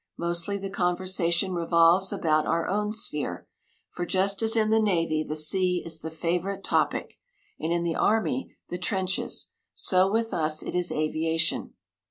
Mostly the conversation revolves about our own sphere, for just as in the navy the sea is the favourite topic, and in the army the trenches, so with us it is aviation.